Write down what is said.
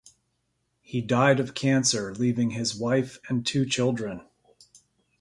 He died of cancer leaving his wife and two children.